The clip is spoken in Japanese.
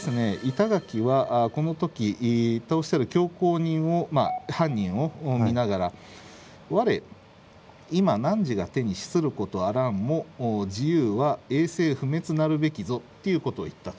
板垣はこの時凶行人を犯人を見ながら「我今汝が手に死することあらんも自由は永世不滅なるべきぞ」っていうことを言ったと。